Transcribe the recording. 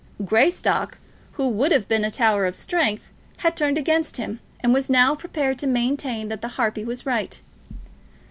Greystock, who would have been a tower of strength, had turned against him, and was now prepared to maintain that the harpy was right.